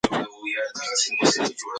پاچا په ډېر دقت د دواړو لوریو خبرې واورېدې.